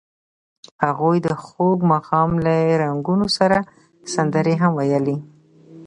هغوی د خوږ ماښام له رنګونو سره سندرې هم ویلې.